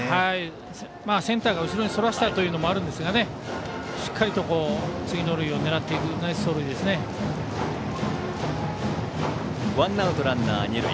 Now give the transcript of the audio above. センターが後ろにそらしたというのもあるんですがしっかりと次の塁を狙っていくワンアウトランナー、二塁。